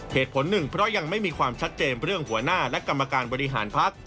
เหตุผลหนึ่งเพราะยังไม่มีความชัดเจนเรื่องหัวหน้าและกรรมการบริหารพัก